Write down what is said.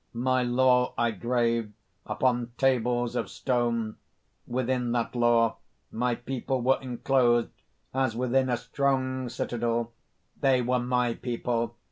"My law I graved upon tables of stone. Within that law my people were enclosed, as within a strong citadel. They were my people.